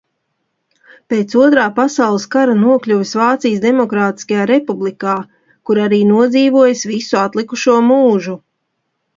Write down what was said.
Pēc Otrā pasaules kara nokļuvis Vācijas Demokrātiskajā republikā, kur arī nodzīvojis visu atlikušo mūžu.